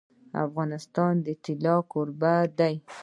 افغانستان د طلا کوربه دی.